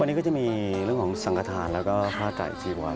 วันนี้ก็จะมีเรื่องของสังฆาณแล้วก็ฆาตัยจีบวัน